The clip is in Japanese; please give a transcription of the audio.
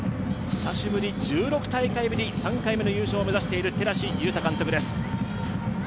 久しぶり、１６大会ぶり、３回目の優勝を目指している寺師勇太監督です。